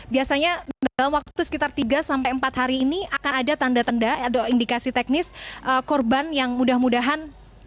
biasanya dalam waktu sekitar tiga sampai empat hari ini akan ada tanda tanda atau indikasi teknis korban yang mudah mudahan